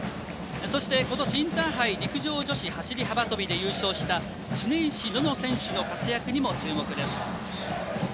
そして、今年インターハイ陸上女子走り幅跳びで優勝した恒石望乃選手の活躍にも注目です。